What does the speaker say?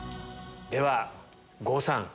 では郷さん。